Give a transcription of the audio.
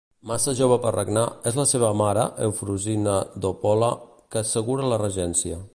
Massa jove per regnar, és la seva mare, Eufrosina d'Opole, que assegura la regència.